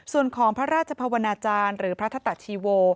ส่วนของพระราชภาวนาจารย์หรือพระธตะชีโว